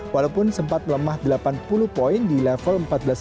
walaupun sempat melemah delapan puluh poin di level empat belas lima ratus enam puluh enam